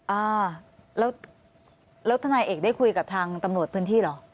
อ่าแล้วแล้วทนายเอกได้คุยกับทางตำรวจพื้นที่เหรอ